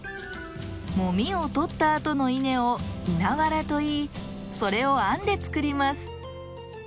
もみを取ったあとの稲をいなわらといいそれを編んで作ります。